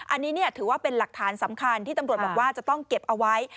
อันนี้ถือว่าเป็นหลักฐานสำคัญที่ตำรวจบอกว่าจะต้องเก็บเอาไว้